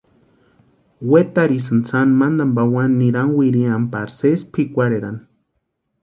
Wetarhisïnti sani mantani pawani nirani wiriani pari sési pʼikwarherani.